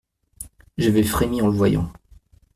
J’avais frémis en le voyant.